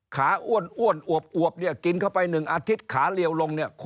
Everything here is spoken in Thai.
ขาอ้วนอ้วนอวบอวบกินเข้าไปหนึ่งอาทิตย์ขาเหลี่ยวลง